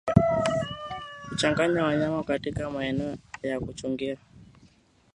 Kuchanganya wanyama katika maeneo ya kuchungia